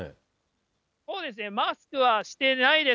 そうですね、マスクはしてないです。